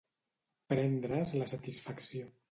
Prendre's la satisfacció.